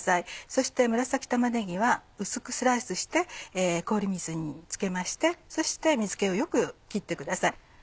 そして紫玉ねぎは薄くスライスして氷水につけましてそして水気をよく切ってください。